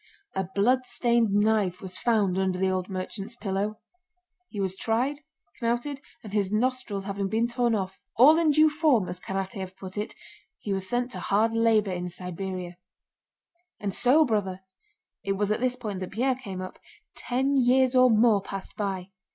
A bloodstained knife was found under the old merchant's pillow. He was tried, knouted, and his nostrils having been torn off, "all in due form" as Karatáev put it, he was sent to hard labor in Siberia. "And so, brother" (it was at this point that Pierre came up), "ten years or more passed by.